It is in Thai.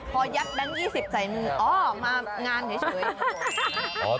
พอยักษ์ดัง๒๐ใส่หนึ่งอ๋อมางานเฉย